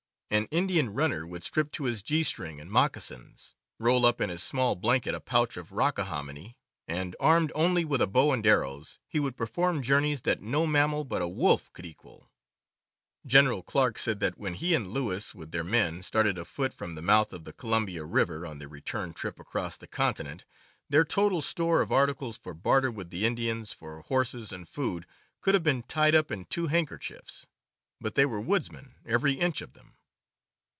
An Indian runner would strip to his G string and moccasins, roll up in his small blanket a pouch of rockahominy, and, armed only with a bow and arrows, he would perform journeys that no mam mal but a wolf could equal. General Clark said that when he and Lewis, with their men, started afoot from the mouth of the Columbia River on their return trip across the continent, their total store of articles for barter with the Indians for horses and food could have been tied up in two handkerchiefs. But they were woodsmen, every inch of them.